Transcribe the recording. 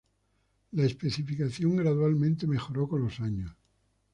La especificación gradualmente mejoró con los años.